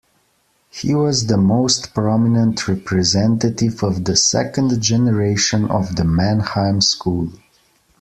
He was the most prominent representative of the second generation of the Mannheim School.